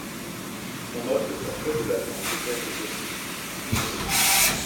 On note le forfait de l'Allemand Peter Gojowczyk.